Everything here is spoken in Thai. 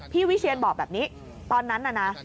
วิเชียนบอกแบบนี้ตอนนั้นน่ะนะ